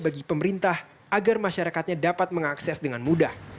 bagi pemerintah agar masyarakatnya dapat mengakses dengan mudah